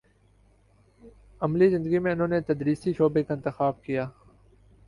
عملی زندگی میں انہوں نے تدریسی شعبے کا انتخاب کیا